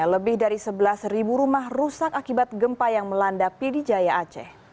lebih dari sebelas rumah rusak akibat gempa yang melanda pidijaya aceh